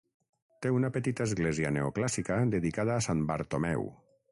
Té una petita església neoclàssica dedicada a sant Bartomeu.